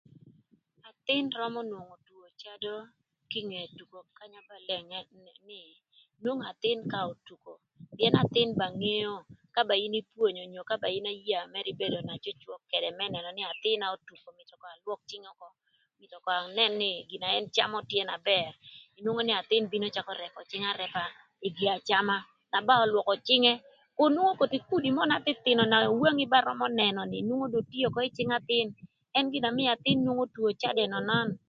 Athïn römö nwongo two cadö kinge tuko kanya ba leng nwongo athïn ka otuko pïën athïn ba ngeo ka ba in pwonyo ka ba in aya mërë ibedo na cwöcwök kede më nënö nï athïn-na myero ko alwök cïngë ökö onyo myero ko anën nï gin na ën camö tye na bër inwongo nï athïn bino cakö rëpö cïngë arëpa ï gi acama kun nwongo kudi mö na thïthïnö na wangi ba römö nï nwongo do tye ökö ï cïng athïn ën gin na mïö athïn nwongo two cadö ënönön.